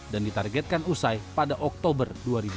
dan ditargetkan usai pada oktober dua ribu dua puluh dua